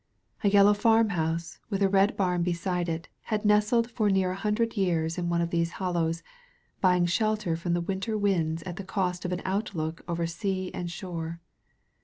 A yellow farmhouse, with a red bam beside it, had nestled for near a hundred years in one of these hollows, buying shelter from the winter winds at the cost of an outlook over sea and shore.